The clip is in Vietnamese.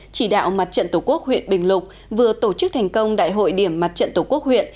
chỉ đạo mặt trận tổ quốc huyện bình lục vừa tổ chức thành công đại hội điểm mặt trận tổ quốc huyện